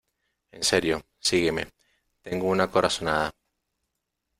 En serio, sígueme, tengo una corazonada.